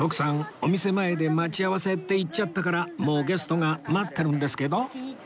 お店前で待ち合わせって言っちゃったからもうゲストが待ってるんですけど？